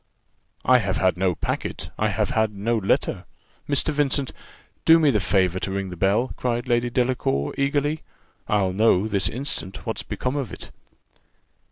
"I have had no packet I have had no letter. Mr. Vincent, do me the favour to ring the bell," cried Lady Delacour, eagerly: "I'll know, this instant, what's become of it."